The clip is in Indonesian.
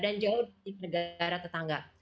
dan jauh dari negara tetangga